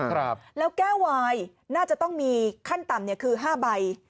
ครับแล้วแก้ววายน่าจะต้องมีขั้นต่ำเนี่ยคือห้าใบ